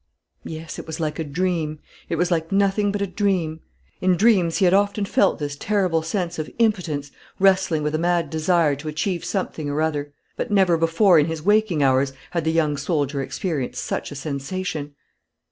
Yes, it was like a dream; it was like nothing but a dream. In dreams he had often felt this terrible sense of impotence wrestling with a mad desire to achieve something or other. But never before in his waking hours had the young soldier experienced such a sensation.